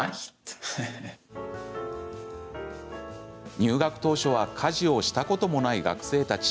入学当初は家事をしたこともない学生たち。